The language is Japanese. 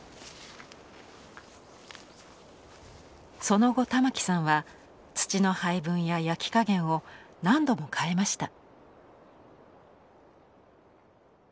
その後玉城さんは土の配分や焼き加減を何度も変えました。